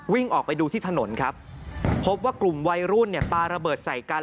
วิ่งออกไปดูที่ถนนครับพบว่ากลุ่มวัยรุ่นเนี่ยปลาระเบิดใส่กัน